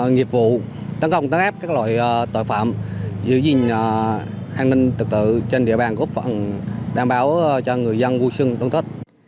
nghiệp vụ tấn công tấn áp các loại tội phạm giữ gìn an ninh tật tự trên địa bàn góp phần đảm bảo cho người dân vui sưng đón tết